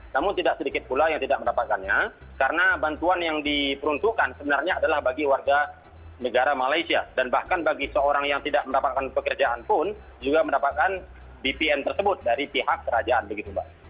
namun tidak sedikit pula yang tidak mendapatkannya karena bantuan yang diperuntukkan sebenarnya adalah bagi warga negara malaysia dan bahkan bagi seorang yang tidak mendapatkan pekerjaan pun juga mendapatkan bpn tersebut dari pihak kerajaan begitu mbak